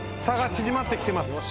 差が縮まってきてます。